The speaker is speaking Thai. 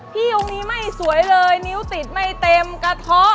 พี่ยุงนี้ไม่สวยเลยนิ้วติดไม่เต็มกะท้อ